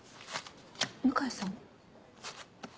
向井さん？